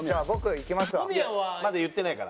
いやまだ言ってないから。